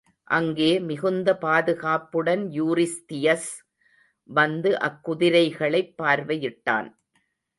அங்கே மிகுந்த பாதுகாப்புடன் யூரிஸ்தியஸ் வந்து அக்குதிரைகளைப் பார்வையிட்டான்.